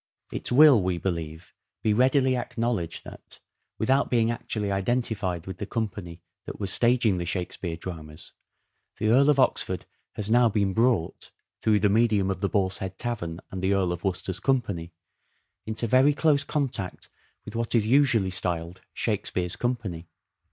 It will, we believe, be readily acknowledged that, without being actually identified with the company that was staging the " Shakespeare " dramas, the Earl of Oxford has now been brought, through the medium of the Boar's Head Tavern and the Earl of Worcester's company, into very close contact with what is usually styled Shakespeare's company.